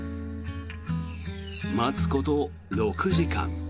待つこと６時間。